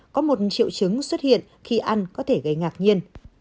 có một triệu chứng xuất hiện khi ăn có thể gây ngạc nhiên